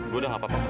gue udah gak apa apa